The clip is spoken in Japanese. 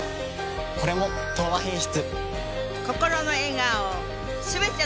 これも「東和品質」。